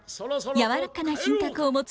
やわらかな品格を持つ